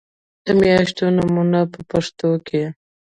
د میاشتو نومونه په پښتو کې